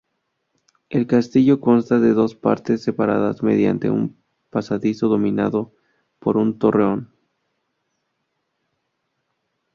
El castillo consta de dos partes separadas mediante un pasadizo dominado por un torreón.